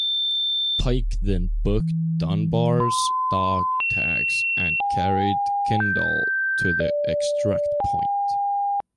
Pike then took Dunbar's dog tags and carried Kendall to the extract point.